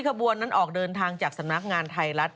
ขบวนนั้นออกเดินทางจากสำนักงานไทยรัฐ